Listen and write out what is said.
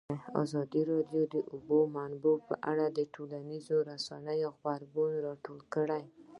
ازادي راډیو د د اوبو منابع په اړه د ټولنیزو رسنیو غبرګونونه راټول کړي.